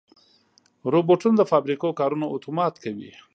روبوټونه د فابریکو کارونه اتومات کوي.